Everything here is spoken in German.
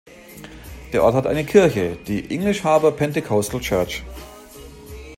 Der Ort hat eine Kirche, die "English Harbour Pentecostal Church".